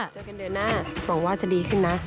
เจอกันเดือนหน้าหวังว่าจะดีขึ้นนะ